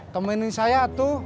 temenin saya atuh